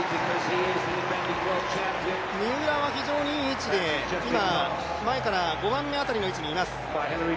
三浦は非常にいい位置で今、前から５番目辺りの位置にいます。